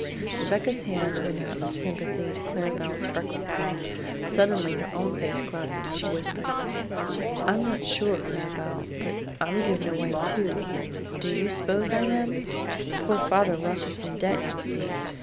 Rebecca's hand went out sympathetically to Clara Belle's freckled paw. Suddenly her own face clouded and she whispered: "I'm not sure, Clara Belle, but I'm given away too do you s'pose I am? Poor father left us in debt, you see.